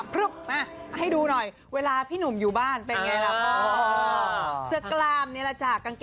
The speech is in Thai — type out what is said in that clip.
มาให้ดูหน่อยเวลาพี่หนุ่มอยู่บ้านเป็นไงล่ะพ่อ